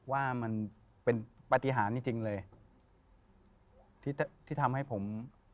ว่ามันเป็นปฏิหารจริงเลยที่ทำให้ผม